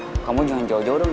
lu harus patuh ke apro ni